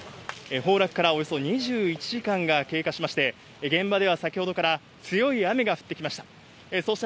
崩落からおよそ２１時間が経過しまして、現場では先ほどから強い雨が降ってきました。